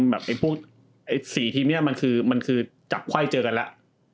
ไอ้๔ทีมเนี่ยมันคือจับไข้เจอกันแล้ว